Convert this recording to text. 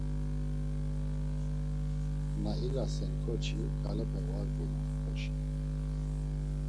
Na ilasen ǩoçi, galepe var gulun xoşi.